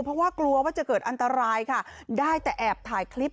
เพราะว่ากลัวว่าจะเกิดอันตรายค่ะได้แต่แอบถ่ายคลิป